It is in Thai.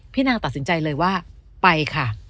นางตัดสินใจเลยว่าไปค่ะ